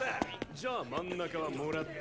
・じゃあ真ん中はもらった！！